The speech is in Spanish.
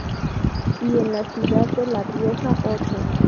Y en la ciudad de La Rioja, ocho.